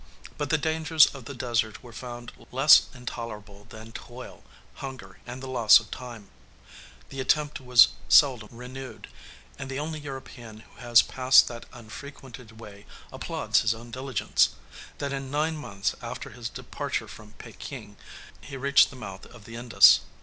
But the dangers of the desert were found less intolerable than toil, hunger, and the loss of time; the attempt was seldom renewed, and the only European who has passed that unfrequented way applauds his own diligence, that in nine months after his departure from Pekin, he reached the mouth of the Indus.